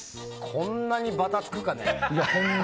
こんなにバタつくかね？